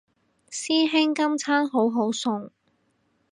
師兄今餐好好餸